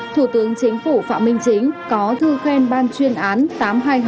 thủ tướng chính phủ phạm minh chính có thư khen ban chuyên án tám trăm hai mươi hai t